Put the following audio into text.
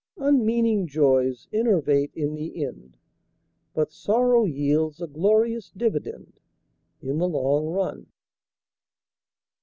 Unmeaning joys enervate in the end, But sorrow yields a glorious dividend In the long run.